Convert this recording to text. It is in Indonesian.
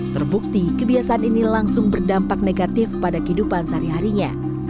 terbukti kebiasaan ini langsung berdampak negatif pada kehidupan sehari harinya